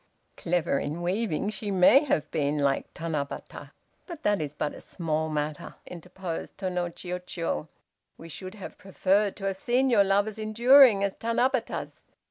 "Clever in weaving, she may have been like Tanabata, that is but a small matter," interposed Tô no Chiûjiô, "we should have preferred to have seen your love as enduring as Tanabata's.